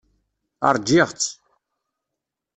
Ṛjiɣ-tt.